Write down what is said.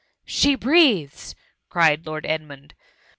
she breathes i" cried Lord Ed mund.